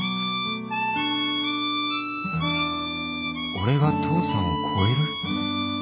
俺が父さんを超える？